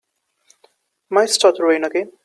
Might start to rain again.